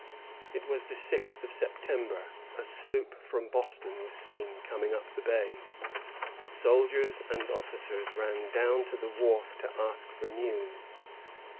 It was the sixth of September. A sloop from Boston was seen coming up the bay. Soldiers and officers ran down to the wharf to ask for news.